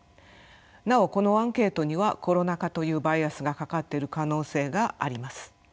なおこのアンケートにはコロナ禍というバイアスがかかっている可能性があります。